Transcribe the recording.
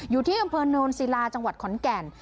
อยู่ที่อำเภอโนนศิลาจังหวัดขอนแก่น